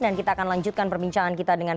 dan kita akan lanjutkan perbincangan kita dengan